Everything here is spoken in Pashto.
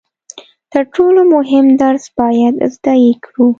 تر ټولو مهم درس باید زده یې کړو.